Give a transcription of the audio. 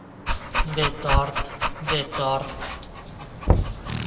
De tort de tort.